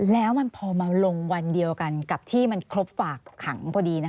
แล้วมันพอมาลงวันเดียวกันกับที่มันครบฝากขังพอดี